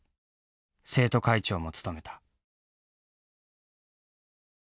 生徒会長も務めた。